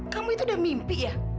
kamu itu udah mimpi ya